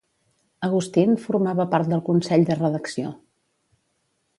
Agustín formava part del Consell de Redacció.